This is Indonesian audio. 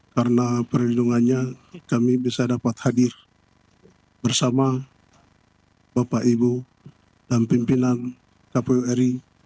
karena perlindungannya kami bisa dapat hadir bersama bapak ibu dan pimpinan kpuri